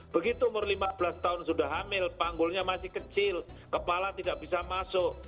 begitu umur lima belas tahun sudah hamil panggulnya masih kecil kepala tidak bisa masuk